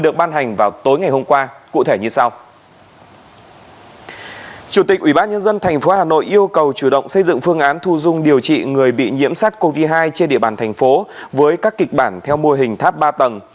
các dân thành phố hà nội yêu cầu chủ động xây dựng phương án thu dung điều trị người bị nhiễm sát covid một mươi chín trên địa bàn thành phố với các kịch bản theo mô hình tháp ba tầng